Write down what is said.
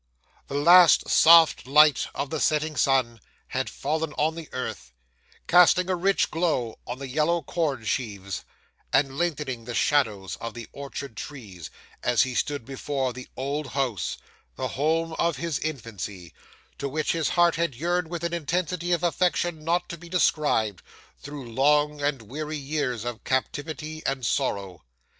'The last soft light of the setting sun had fallen on the earth, casting a rich glow on the yellow corn sheaves, and lengthening the shadows of the orchard trees, as he stood before the old house the home of his infancy to which his heart had yearned with an intensity of affection not to be described, through long and weary years of captivity and sorrow.